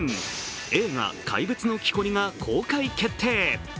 映画「怪物の木こり」が公開決定。